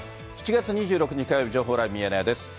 ７月２６日火曜日、情報ライブミヤネ屋です。